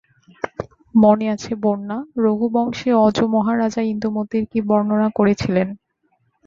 মনে আছে বন্যা, রঘুবংশে অজ-মহারাজা ইন্দুমতীর কী বর্ণনা করেছিলেন।